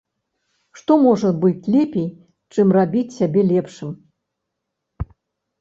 Што можа быць лепей, чым рабіць сябе лепшым?